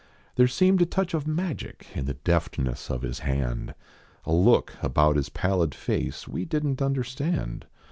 There seemed a touch of magic in The deftness of his hand ; A look about his pallid face We didn t understand.